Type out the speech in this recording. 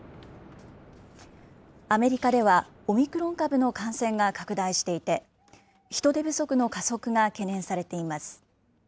アメリカでは、オミクロン株の感染が拡大していて、人手不足の加速が懸念されています。